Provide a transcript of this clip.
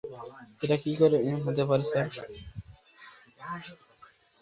এটা কী করে হতে পারে, স্যার?